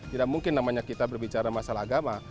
tidak mungkin namanya kita berbicara masalah agama